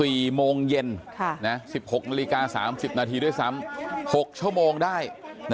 ๔โมงเย็น๑๖นาฬิกา๓๐นาทีด้วยซ้ำ๖ชั่วโมงได้